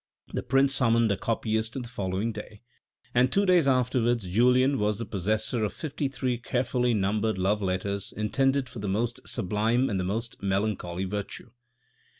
The prince summoned a copyist on the following day, and two days afterwards Julien was the possessor of fifty three carefully numbered love letters intended for the most sublime and the most melancholy virtue.